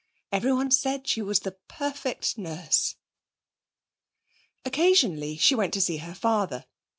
Everyone said she was a perfect nurse. Occasionally she went to see her father.